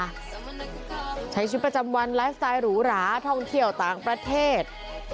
ใช้ชีวิตประจำวันไลฟ์สไตล์หรูหราท่องเที่ยวต่างประเทศ